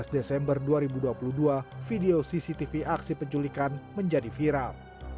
dua belas desember dua ribu dua puluh dua video cctv aksi penculikan menjadi viral